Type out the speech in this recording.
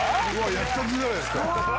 焼きたてじゃないですか！